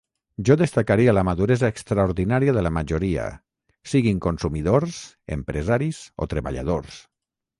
Jo destacaria la maduresa extraordinària de la majoria, siguin consumidors, empresaris o treballadors.